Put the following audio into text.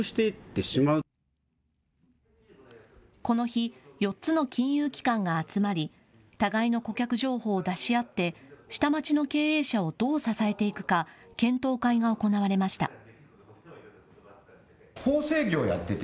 この日、４つの金融機関が集まり互いの顧客情報を出し合って下町の経営者をどう支えていくか検討会が行われました。